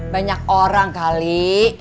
banyak orang kali